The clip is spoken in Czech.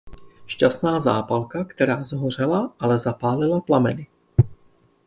Šťastná zápalka, která shořela, ale zapálila plameny.